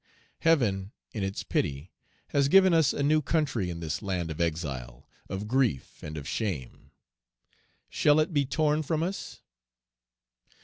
"Heaven, in its pity, has given us a new country in this land of exile, of grief, and of shame; shall it be torn from us?"